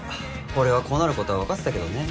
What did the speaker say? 俺はこうなることは分かってたけどね。